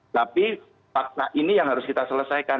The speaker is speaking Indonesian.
tapi fakta ini yang harus kita selesaikan